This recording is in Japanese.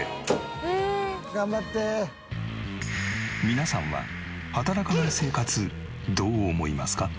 皆さんは働かない生活どう思いますか？